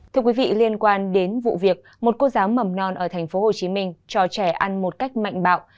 thưa quý vị liên quan đến vụ việc một cô giáo mầm non ở tp hcm cho trẻ ăn một cách mạnh bạo